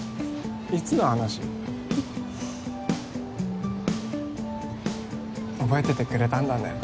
いつの話？覚えててくれたんだね